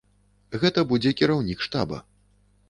Гэта будзе кіраўнік штаба.